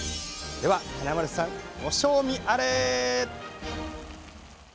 華丸さん、ご賞味あれ！